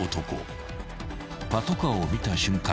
［パトカーを見た瞬間